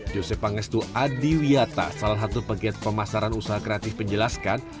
josep pangestu adiwiata salah satu pegiat pemasaran usaha kreatif menjelaskan